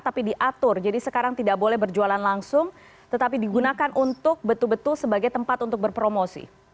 tapi diatur jadi sekarang tidak boleh berjualan langsung tetapi digunakan untuk betul betul sebagai tempat untuk berpromosi